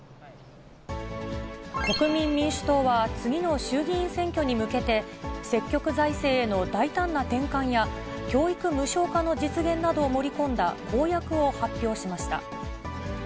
国民民主党は、次の衆議院選挙に向けて、積極財政への大胆な転換や、教育無償化の実現などを盛り込んだ公約を発表しました。